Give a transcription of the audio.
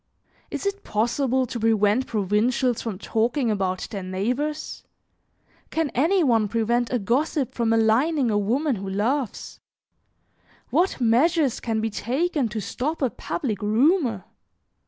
Is it possible to prevent provincials from talking about their neighbors? Can any one prevent a gossip from maligning a woman who loves? What measures can be taken to stop a public rumor?